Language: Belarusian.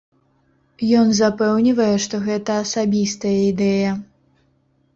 Ён запэўнівае, што гэта асабістая ідэя.